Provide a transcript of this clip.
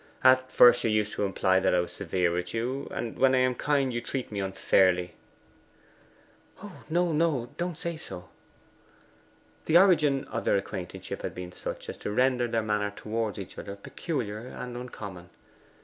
'At first you used to imply that I was severe with you; and when I am kind you treat me unfairly.' 'No, no. Don't say so.' The origin of their acquaintanceship had been such as to render their manner towards each other peculiar and uncommon.